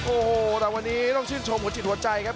โอ้โหแต่วันนี้ต้องชื่นชมหัวจิตหัวใจครับ